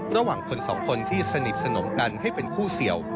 ระหว่างคนสองคนที่สนิทสนมกันให้เป็นคู่เสี่ยว